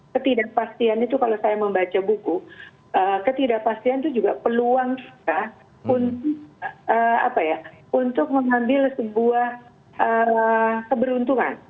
ketidakpastian itu kalau saya membaca buku ketidakpastian itu juga peluang kita untuk mengambil sebuah keberuntungan